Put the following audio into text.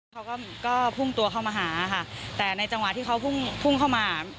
เขาก็ก็พุ่งตัวเข้ามาหาค่ะแต่ในจังหวะที่เขาพุ่งพุ่งเข้ามา